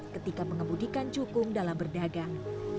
ketika mengemudikan jukung dalam berdagang